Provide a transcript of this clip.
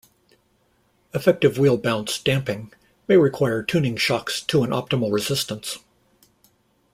Effective wheel bounce damping may require tuning shocks to an optimal resistance.